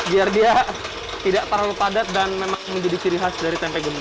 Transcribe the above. biar dia tidak terlalu padat dan memang menjadi ciri khas dari tempe gemuk